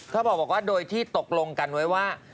เขาบอกว่าโดยที่ตกลงกันไว้ว่า